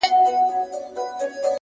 علم د ژوند معنا روښانه کوي,